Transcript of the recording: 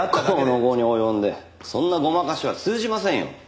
この期に及んでそんなごまかしは通じませんよ。